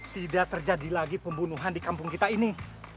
tidak terjadi lagi pembunuhan di kampung kita ini